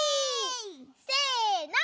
せの。